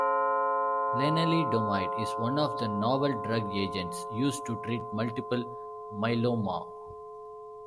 Lenalidomide is one of the novel drug agents used to treat multiple myeloma.